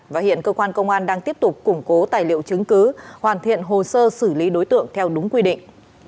và hiện cơ quan công an đang tiếp tục củng cố tài liệu chứng cứ hoàn thiện hồ sơ xử lý đối tượng theo đúng quy định